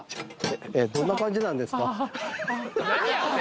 えっどんな感じなんですか？